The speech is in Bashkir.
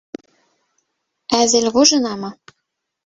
Әҙелғужинамы?